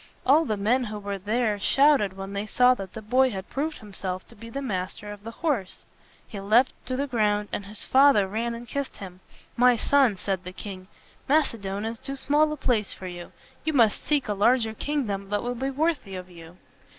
All the men who were there shouted when they saw that the boy had proved himself to be the master of the horse. He leaped to the ground, and his father ran and kissed him. "My son," said the king, "Macedon is too small a place for you. You must seek a larger kingdom that will be worthy of you."